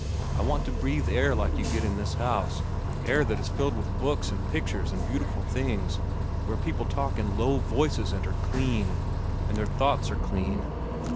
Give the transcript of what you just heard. I want to breathe air like you get in this house—air that is filled with books, and pictures, and beautiful things, where people talk in low voices an' are clean, an' their thoughts are clean.